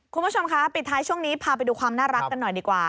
คุณผู้ชมคะปิดท้ายช่วงนี้พาไปดูความน่ารักกันหน่อยดีกว่า